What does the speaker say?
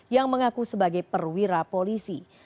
yang mengaku sebagai perwira polisi